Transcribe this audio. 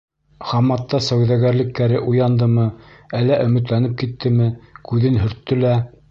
Хамматта сауҙагәрлек кәре уяндымы, әллә өмөтләнеп киттеме, күҙен һөрттө лә: